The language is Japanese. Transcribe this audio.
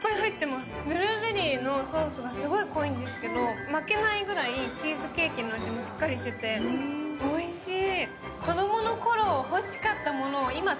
ブルーベリーのソースがすごい濃いんですけど負けないぐらいチーズケーキの味もしっかりしてて、おいしい。